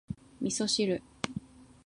味噌汁